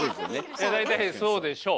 いや大体そうでしょう。